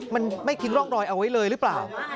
มันไม่ทิ้งร่องรอยเอาไว้เลยหรือเปล่า